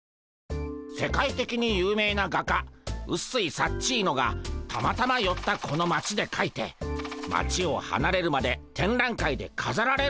世界的に有名な画家ウッスイ・サッチーノがたまたまよったこの街でかいて街をはなれるまで展覧会でかざられるんでゴンス。